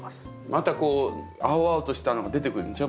また青々としたの出てくるんでしょ？